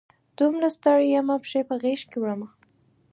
دومره ستړي یمه، پښې په غیږ کې وړمه